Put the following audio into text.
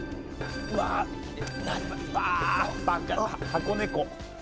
箱根湖。